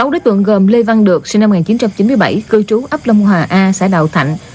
sáu đối tượng gồm lê văn được sinh năm một nghìn chín trăm chín mươi bảy cư trú ấp long hòa a xã đạo thạnh